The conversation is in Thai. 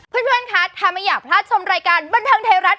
เพื่อนคะถ้าไม่อยากพลาดชมรายการบันเทิงไทยรัฐ